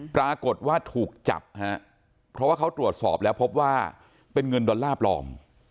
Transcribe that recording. ปรากฏว่าถูกจับฮะเพราะว่าเขาตรวจสอบแล้วพบว่าเป็นเงินดอลลาร์ปลอม